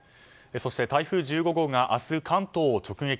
そして台風１５号が明日、関東を直撃。